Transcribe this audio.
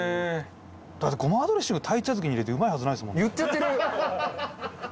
だってごまドレッシング鯛茶漬けに入れてうまいはずないですもんね。